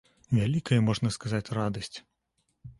Вялікая, можна сказаць, радасць!